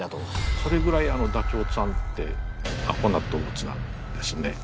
それぐらいダチョウさんってアホな動物なんですね。